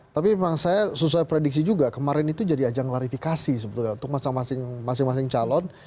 tapi memang saya susah prediksi juga kemarin itu jadi ajang klarifikasi sebetulnya untuk masing masing calon